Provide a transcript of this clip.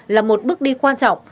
là một bước đi quan trọng